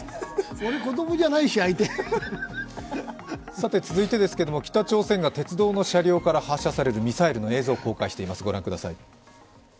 俺、相手は子供じゃないし続いてですけれども、北朝鮮が鉄道の車両から発射されるミサイルの映像を公開しています、御覧ください。